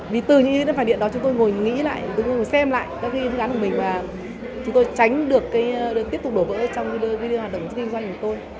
vì từ những ý kiến phản biện đó chúng tôi ngồi nghĩ lại chúng tôi ngồi xem lại các phương án của mình và chúng tôi tránh được tiếp tục đổ vỡ trong cái hoạt động kinh doanh của tôi